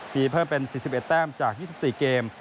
มีเพิ่มเป็น๔๑แต้มจาก๒๔เกม